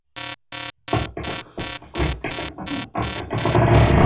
سړک ښوونکي ښوونځي ته رسوي.